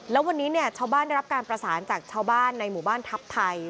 แล้ววันนี้เนี่ยชาวบ้านได้รับการประสานจากชาวบ้านในหมู่บ้านทัพไทย